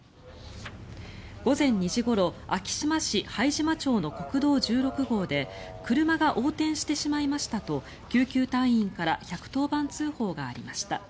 午前２時ごろ昭島市拝島町の国道１６号で車が横転してしまいましたと救急隊員から１１０番通報がありました。